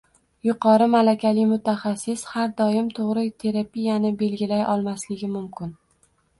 Yuqori malakali mutaxassis ham doim to‘g‘ri terapiyani belgilay olmasligi mumkin.